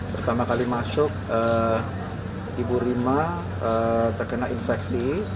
pertama kali masuk ibu rima terkena infeksi